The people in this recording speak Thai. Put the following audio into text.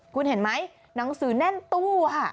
คุณเห็นไหมหนังสือแน่นตู้ค่ะ